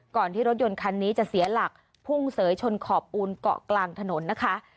ที่รถยนต์คันนี้จะเสียหลักพุ่งเสยชนขอบปูนเกาะกลางถนนนะคะ